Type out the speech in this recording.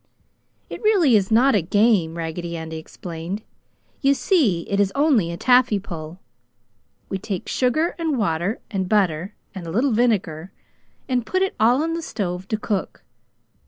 "It really is not a game," Raggedy Andy explained. "You see, it is only a taffy pull. "We take sugar and water and butter and a little vinegar and put it all on the stove to cook.